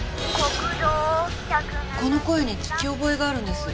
この声に聞き覚えがあるんです。